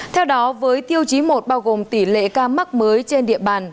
theo đó với tiêu chí một bao gồm tỷ lệ ca mắc mới trên địa bàn